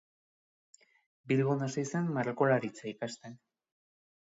Bilbon hasi zen margolaritza ikasten.